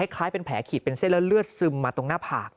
คล้ายเป็นแผลขีดเป็นเส้นแล้วเลือดซึมมาตรงหน้าผาก